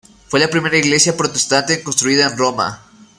Fue la primera iglesia protestante construida en Roma.